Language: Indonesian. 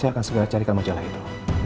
saya akan segera carikan majalah itu